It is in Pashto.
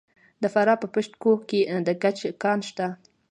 د فراه په پشت کوه کې د ګچ کان شته.